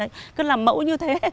đấy cứ làm mẫu như thế